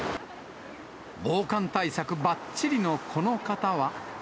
防寒対策ばっちりのこの方は。